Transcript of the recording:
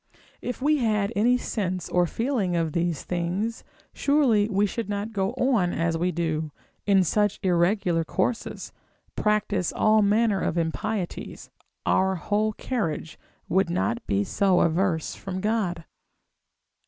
If we had any sense or feeling of these things, surely we should not go on as we do, in such irregular courses, practise all manner of impieties; our whole carriage would not be so averse from God.